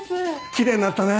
きれいになったね